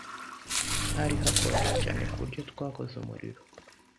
Hari hakonje cyane kuburyo twakoze umuriro.